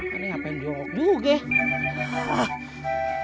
ini ngapain jongkok dulu geh